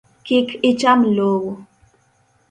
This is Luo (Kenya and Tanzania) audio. Kik icham lowo.